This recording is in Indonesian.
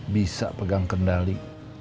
bisa pegang kendali